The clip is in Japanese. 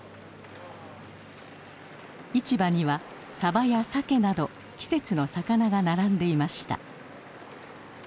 市場にはさばやサケなど季節の魚が並んでいました。